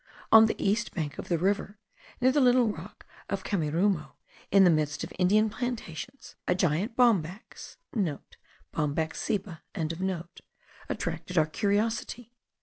On the east bank of the river, near the little rock of Kemarumo, in the midst of Indian plantations, a gigantic bombax* (* Bombax ceiba.) attracted our curiosity.